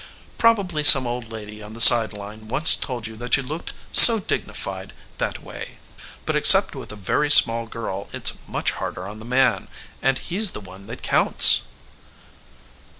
Probably some old lady on the side line once told you that you looked so dignified that way. But except with a very small girl it's much harder on the man, and he's the one that counts."